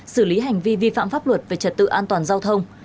xử lý hành vi vi phạm pháp luật về trật tự an toàn giao thông